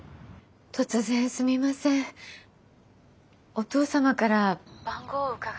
突然すみませんお父様から番号を伺って。